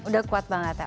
udah kuat banget ya